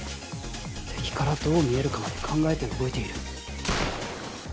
敵からどう見えるかまで考えて動いている